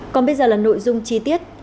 còn bây giờ là nội dung chi tiết